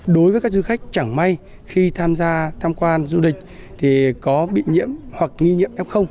đối với các du khách chẳng may khi tham gia tham quan du lịch thì có bị nhiễm hoặc nghi nhiễm f